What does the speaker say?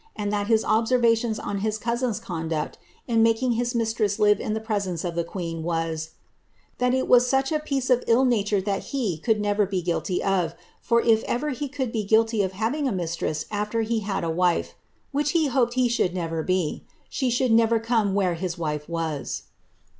and that his observation on his cousin^s conduct, in making his mistress live in the presence of the queen, was, ^ that it was such t piece of ill nature that he could never be guilty of^ for if ever he could be guilty of having a mistress af\er he had a wife, (which he hoped he should never be,) she should never come where his wife was."